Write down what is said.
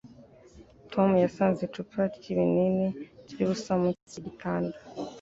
Tom yasanze icupa ryibinini ryubusa munsi yigitanda.